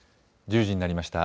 １０時になりました。